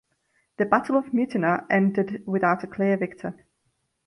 The Battle of Mutina ended without a clear victor.